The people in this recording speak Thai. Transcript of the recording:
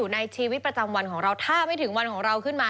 ในชีวิตประจำวันของเราถ้าไม่ถึงวันของเราขึ้นมา